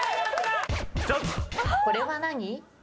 これは何？